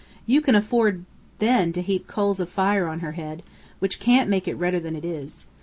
"You can afford then to heap coals of fire on her head, which can't make it redder than it is.